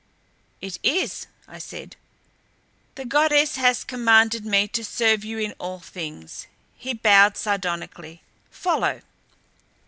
"It is," I said. "The goddess has commanded me to serve you in all things." He bowed, sardonically. "Follow."